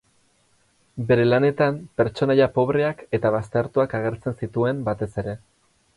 Bere lanetan pertsonaia pobreak eta baztertuak agertzen zituen batez ere.